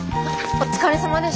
お疲れさまです。